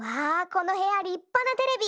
このへやりっぱなテレビ。